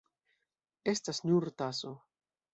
Estas nur taso.